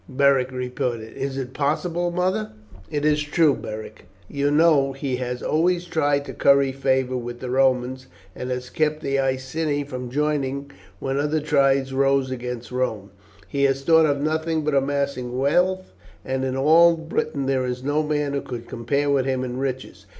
Beric repeated; "is it possible, mother?" "It is true, Beric. You know he has always tried to curry favour with the Romans, and has kept the Iceni from joining when other tribes rose against Rome. He has thought of nothing but amassing wealth, and in all Britain there is no man who could compare with him in riches.